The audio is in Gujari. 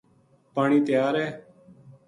پانی تیار ہے‘‘